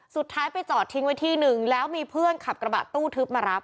สุดท้ายไปจอดทิ้งไว้ที่หนึ่งแล้วมีเพื่อนขับกระบะตู้ทึบมารับ